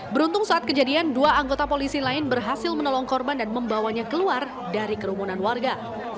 beruntung saat kejadian dua anggota polisi lain berhasil menolong korban dan membawanya keluar dari kerumunan warga